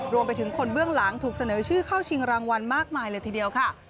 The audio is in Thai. รวมไปถึงคนเบื้องหลังถูกเสนอชื่อเข้าชิงรางวัลมากมายเลยทีเดียวค่ะ